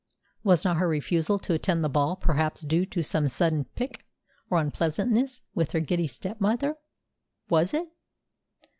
Was not her refusal to attend the ball perhaps due to some sudden pique or unpleasantness with her giddy stepmother? Was it?